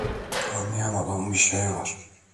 Anlayamadığım bir şey var.